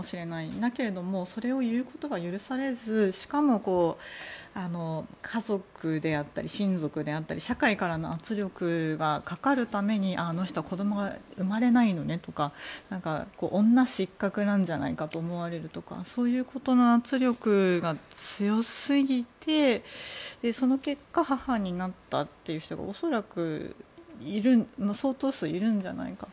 だけれどもそれを言うことが許されずしかも家族であったり親族であったり社会からの圧力がかかるためにあの人は子供が生まれないのねとか女失格なんじゃないかと思われるとかそういうことの圧力が強すぎてその結果、母になったという人が恐らく相当数いるんじゃないかと。